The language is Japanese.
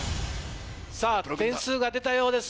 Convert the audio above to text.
点数が出たようです